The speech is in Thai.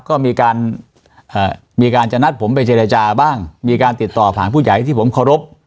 ก็มีการมีการจะนัดผมไปเจรจาบ้างมีการติดต่อผ่านผู้ใหญ่ที่ผมเคารพ